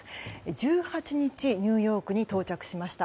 １８日、ニューヨークに到着しました。